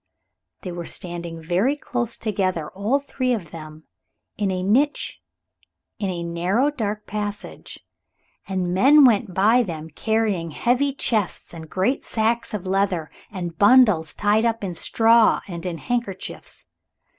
They were standing very close together, all three of them, in a niche in a narrow, dark passage, and men went by them carrying heavy chests, and great sacks of leather, and bundles tied up in straw and in handkerchiefs.